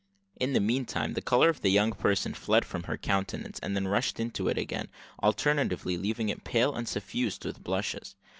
In the meantime, the colour of the young person fled from her countenance, and then rushed into it again, alternately leaving it pale and suffused with blushes.